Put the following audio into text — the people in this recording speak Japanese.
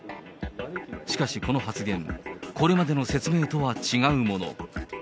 しかしこの発言、これまでの説明とは違うもの。